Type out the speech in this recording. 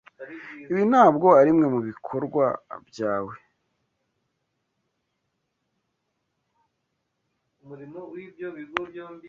Ibi ntabwo arimwe mubikorwa byawe.